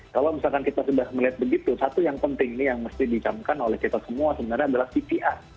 kalau misalkan kita sudah melihat begitu satu yang penting ini yang mesti dicamkan oleh kita semua sebenarnya adalah pcr